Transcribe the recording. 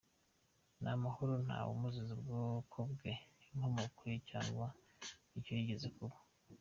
n’Amahoro ntawe umuziza ubwoko bwe, inkomoko ye cyanga icyo yigeze kuba,